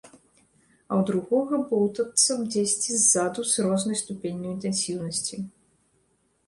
А ў другога боўтацца дзесьці ззаду з рознай ступенню інтэнсіўнасці.